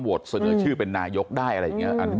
เสนอชื่อเป็นนายกได้อะไรอย่างนี้